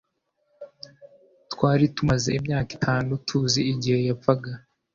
Twari tumaze imyaka itanu tuzi igihe yapfaga